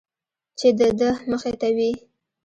چې د ده مخې ته وي.